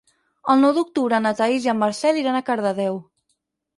El nou d'octubre na Thaís i en Marcel iran a Cardedeu.